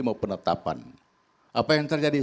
mau penetapan apa yang terjadi